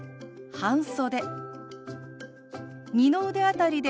「半袖」。